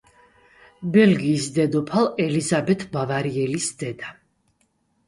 ბელგიის დედოფალ ელიზაბეთ ბავარიელის დედა.